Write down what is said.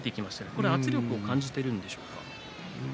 これは圧力を感じていたんでしょうか？